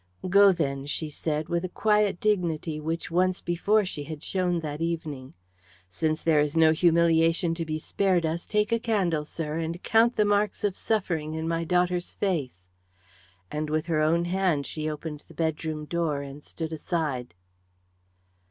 "Go, then," she said with a quiet dignity which once before she had shown that evening. "Since there is no humiliation to be spared us, take a candle, sir, and count the marks of suffering in my daughter's face;" and with her own hand she opened the bedroom door and stood aside.